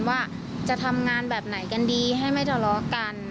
ว่าจะทำงานแบบไหนกันดีให้ไม่ทะเลาะกัน